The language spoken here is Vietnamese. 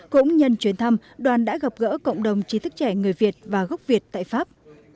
cũng nhân chuyến thăm đoàn đã gặp gỡ cộng đồng trí thức trẻ người việt và gốc việt tại pháp